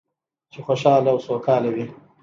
چې خوشحاله او سوکاله وي.